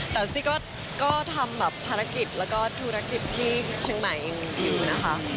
แต่ซี่ก็ทำแบบภารกิจแล้วก็ธุรกิจที่เชียงใหม่อยู่นะคะ